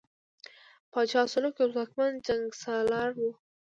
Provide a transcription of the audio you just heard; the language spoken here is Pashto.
پاچا سلوکو یو ځواکمن جنګسالار وو.